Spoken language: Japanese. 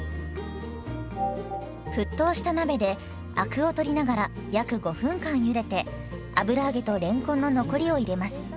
沸騰した鍋でアクを取りながら約５分間ゆでて油揚げとれんこんの残りを入れます。